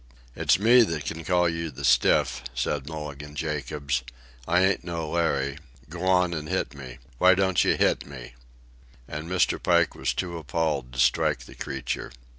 "It's me that can call you the stiff," said Mulligan Jacobs. "I ain't no Larry. G'wan an' hit me. Why don't you hit me?" And Mr. Pike was too appalled to strike the creature.